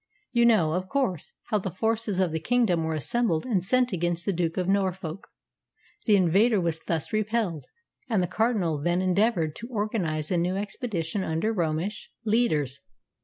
You know, of course, how the forces of the kingdom were assembled and sent against the Duke of Norfolk. The invader was thus repelled, and the Cardinal then endeavoured to organise a new expedition under Romish leaders.